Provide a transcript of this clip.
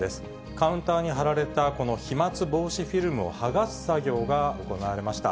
カウンターに張られたこの飛まつ防止フィルムを剥がす作業が行われました。